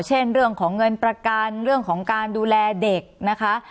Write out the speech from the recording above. เช่นเรื่องของเงินประกันเรื่องของการดูแลเด็กนะคะ